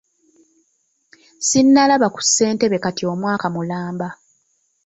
Sinnalaba ku ssentebe kati omwaka mulamba.